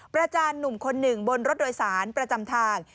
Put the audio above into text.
จานหนุ่มคนหนึ่งบนรถโดยสารประจำทาง